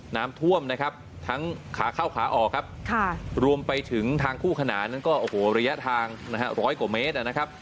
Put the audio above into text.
น้ำท่วมทั้งขาเข้าขาออกรวมไปถึงทางคู่ขนาระยะทางร้อยกว่าเมตร